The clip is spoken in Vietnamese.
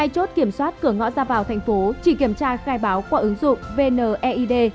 hai chốt kiểm soát cửa ngõ ra vào thành phố chỉ kiểm tra khai báo qua ứng dụng vneid